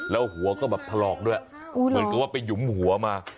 แล้วหัวก็แบบถลอกด้วยเหมือนกับว่าไปหยุมหัวมา